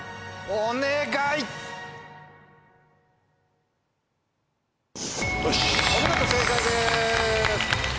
お見事正解です！